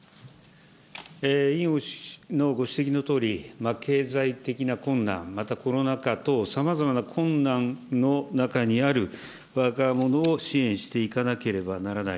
委員のご指摘のとおり、経済的な困難、またコロナ禍等、さまざまな困難の中にある若者を支援していかなければならない。